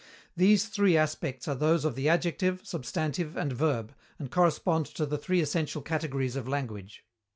_These three aspects are those of the adjective, substantive and verb, and correspond to the three essential categories of language.